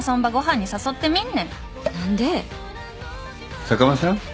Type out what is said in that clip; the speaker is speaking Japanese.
坂間さん。